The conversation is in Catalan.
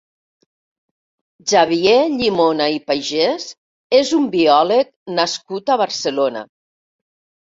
Xavier Llimona i Pagès és un biòleg nascut a Barcelona.